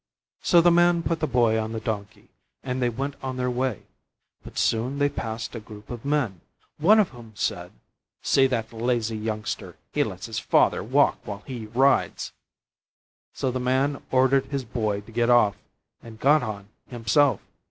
So the Man put the Boy on the Donkey and they went on their way. But soon they passed a group of men, one of whom said: "See that lazy youngster, he lets his father walk while he rides." So the Man ordered his Boy to get off, and got on himself.